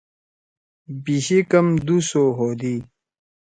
یِشے کم دو سو ہودی۔